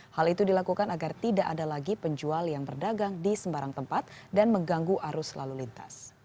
hal itu dilakukan agar tidak ada lagi penjual yang berdagang di sembarang tempat dan mengganggu arus lalu lintas